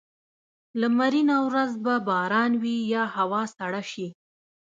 لمرینه ورځ به باران وي یا هوا سړه شي.